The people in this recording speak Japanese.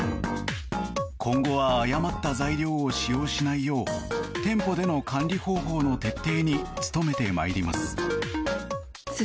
今後は誤った材料を使用しないよう店舗での管理方法の徹底に努めてまいります。